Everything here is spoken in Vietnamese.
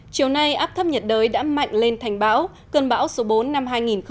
chiều nay áp thấp nhiệt đới đã mạnh lên thành bão cơn bão số bốn năm hai nghìn một mươi tám